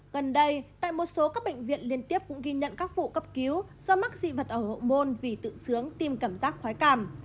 gần đây tại một số các bệnh viện liên tiếp cũng ghi nhận các vụ cấp cứu do mắc dị vật ở hộ môn vì tự sướng tiêm cảm giác khói cảm